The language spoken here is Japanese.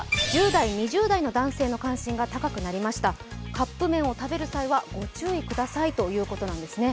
カップ麺を食べる際はご注意くださいということなんですね。